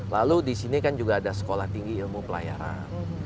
lalu disini kan juga ada sekolah tinggi ilmu pelayaran